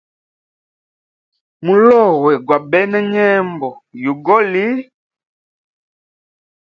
Mulowe gwa bena nyembo yugoli.